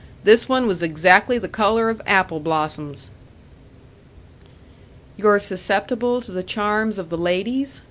This one was exactly the colour of apple blossoms." "You're susceptible to the charms of the ladies?"